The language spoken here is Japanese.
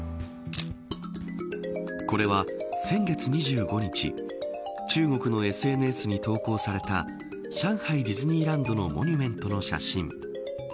これは先月２５日中国のＳＮＳに投稿された上海ディズニーランドのモニュメントの写真。